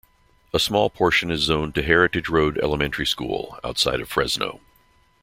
A small portion is zoned to Heritage Road Elementary School, outside of Fresno.